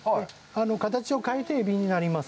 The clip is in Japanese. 形を変えてエビになります。